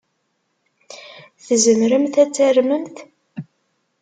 Tzemremt ad tarmemt?